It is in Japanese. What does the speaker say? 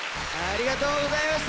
ありがてぃうございます。